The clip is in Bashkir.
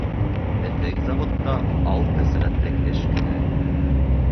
Беҙҙең заводта алты сәғәтлек эш көнө